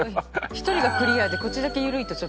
１人がクリアでこっちだけ緩いとちょっと。